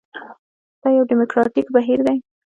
دا یو ډیموکراټیک بهیر دی.